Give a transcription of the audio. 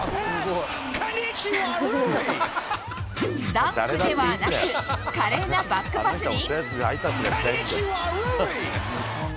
ダンクではなく華麗なバックパスに。